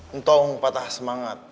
untung patah semangat